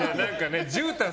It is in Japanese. じゅうたん